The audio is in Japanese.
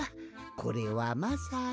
これはまさに」。